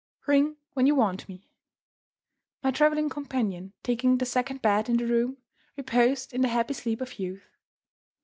"Ring when you want me." My traveling companion, taking the second bed in the room, reposed in the happy sleep of youth.